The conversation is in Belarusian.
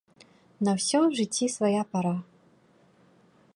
На ўсё ў жыцці свая пара.